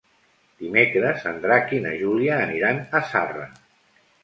Dimecres en Drac i na Júlia aniran a Zarra.